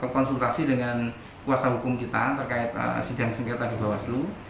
konsultasi dengan kuasa hukum kita terkait sidang sengketa di bawaslu